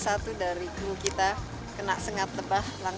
sudah berhasil teman teman